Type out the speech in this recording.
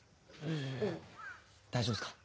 大丈夫ですか？